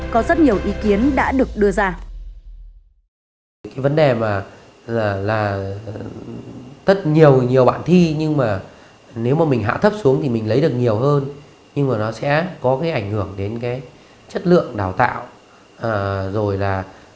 có rất nhiều ý kiến đã được đưa ra